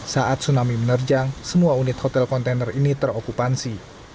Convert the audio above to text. saat tsunami menerjang semua unit hotel kontainer ini terokupansi